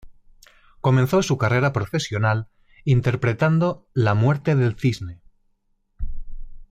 Comenzó su carrera profesional interpretando "La muerte del cisne".